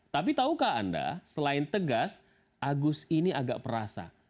tapi tahukah anda selain tegas agus ini agak perasa